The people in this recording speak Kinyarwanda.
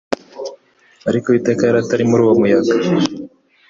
Ariko Uwiteka yari atari muri uwo muyaga.